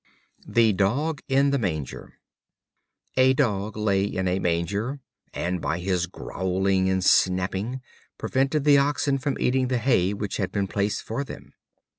The Dog in the Manger. A Dog lay in a manger, and by his growling and snapping prevented the oxen from eating the hay which had been placed for them.